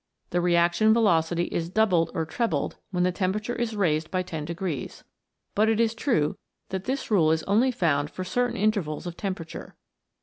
The reaction velocity is doubled or trebled when the tem perature is raised by 10 degrees. But it is true that this rule is only found for certain intervals of temperature.